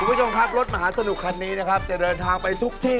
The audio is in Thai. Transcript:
นั่นแหละรถมหาสนุกมันไม่ใช่รถตุ๊กตุ๊ก